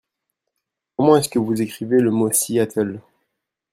Comment est-ce que vous écrivez le mot Seattle ?